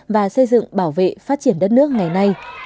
và xây dựng bảo vệ phát triển đất nước ngày nay